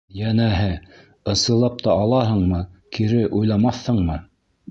Йәнәһе, «ысынлап та алаһыңмы, кире уйламаҫһыңмы?»